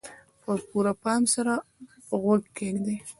په پوره پام سره غوږ کېږدئ.